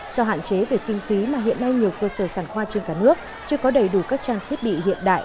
do hạn chế về kinh phí mà hiện nay nhiều cơ sở sản khoa trên cả nước chưa có đầy đủ các trang thiết bị hiện đại